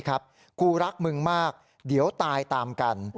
กูรักมึงมากเดี๋ยวตายตามกัน